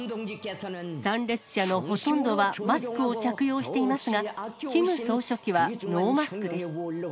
参列者のほとんどはマスクを着用していますが、キム総書記はノーマスクです。